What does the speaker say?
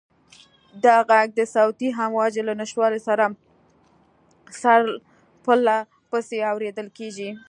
دا غږ د صوتي امواجو له نشتوالي سره سره پرله پسې اورېدل کېږي.